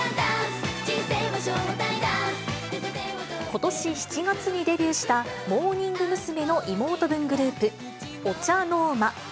ことし７月にデビューしたモーニング娘。の妹分グループ、オチャノーマ。